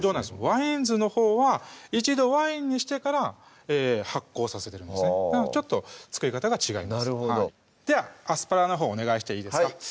ワイン酢のほうは一度ワインにしてから発酵させてるんですねなのでちょっと作り方が違いますなるほどではアスパラのほうお願いしていいですか？